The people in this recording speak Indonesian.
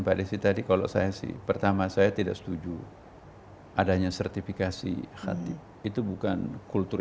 pak desi tadi kalau saya sih pertama saya tidak setuju adanya sertifikasi hati itu bukan kultur